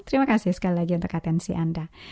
terima kasih sekali lagi untuk atensi anda